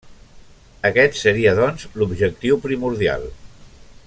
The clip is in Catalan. Aquest seria doncs l'objectiu primordial.